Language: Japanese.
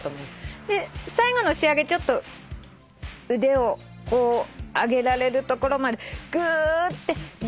最後の仕上げちょっと腕を上げられるところまでぐーって。